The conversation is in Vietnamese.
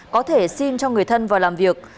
có thể xin cho người thân vào làm việc